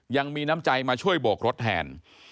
ยังมีน้ำใจมาช่วยโบกรถแทน